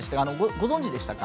ご存じでしたか？